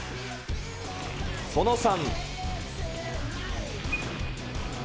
その３。